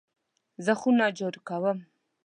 زه خونه جارو کوم .